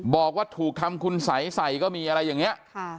บอกว่าถูกทำคุณสัยใส่ก็มีอะไรอย่างนี้